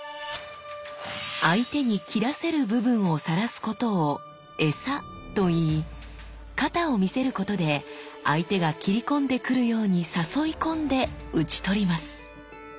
相手に斬らせる部分をさらすことを餌と言い肩を見せることで相手が斬り込んでくるように誘い込んで打ち取ります。